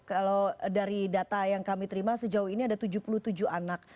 kalau dari data yang kami terima sejauh ini ada tujuh puluh tujuh anak